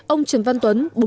ông trần văn tuấn